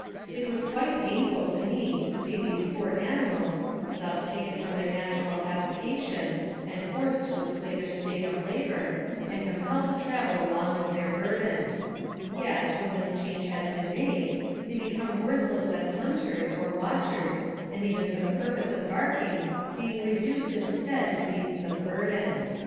It was quite painful to me to see these poor animals, thus taken from their natural avocation, and forced to a slavish life of labor, and compelled to travel along with their burdens; yet, when this change has been made, they become worthless as hunters, or watchers, and even for the purpose of barking, being reduced, instead, to beasts of burden.